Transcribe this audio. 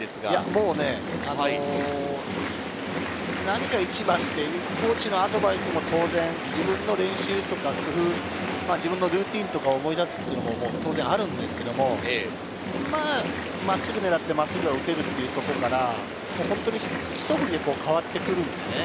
もう、あのね、何が１番っていう、コーチのアドバイスも当然、自分の練習の工夫、自分のルーティンとかを思い出すっていうのも当然あるんですけれど、真っすぐ狙って真っすぐが打てるっていうところから本当にひと振りで変わってくるのでね。